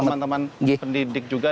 teman teman pendidik juga